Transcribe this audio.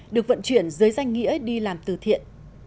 được vận chuyển dưới danh nghĩa đi làm từ thiện